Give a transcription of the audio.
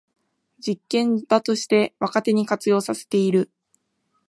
実験場として若手に活用させている